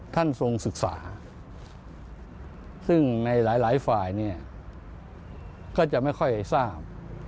ท่านทรงศึกษาซึ่งในหลายฝ่ายก็จะไม่ค่อยทราบ